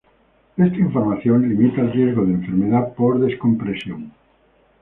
Esta información limita el riesgo de enfermedad por descompresión.